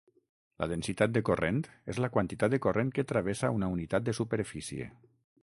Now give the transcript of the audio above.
La densitat de corrent és la quantitat de corrent que travessa una unitat de superfície.